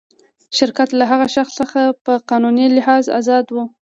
شرکت له هغه شخص څخه په قانوني لحاظ آزاد و.